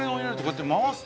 やってみます？